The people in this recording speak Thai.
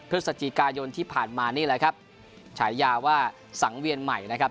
พฤศจิกายนที่ผ่านมานี่แหละครับฉายาว่าสังเวียนใหม่นะครับ